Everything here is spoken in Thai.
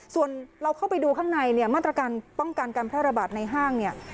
ส่วนเราเข้าไปดูข้างในเนี่ยมาตรการป้องกันการแพร่ระบาดในห้างเนี่ย